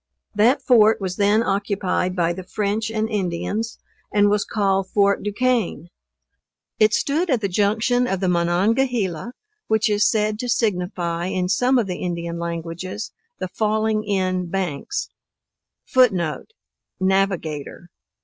That fort was then occupied by the French and Indians, and was called Fort Du Quesne. It stood at the junction of the Monongahela, which is said to signify, in some of the Indian languages, the Falling in Banks, [Footnote: Navigator.